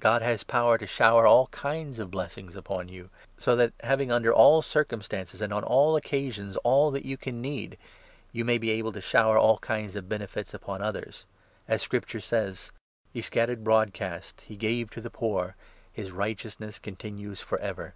God has power to shower all kinds of 8 blessings upon you, so that, having, under all circumstances and on all occasions, all that you can need, you may be able to shower all kinds of benefits upon others. (As Scripture says — 9 ' He scattered broadcast, he gave to the poor ; His righteousness continues for ever.'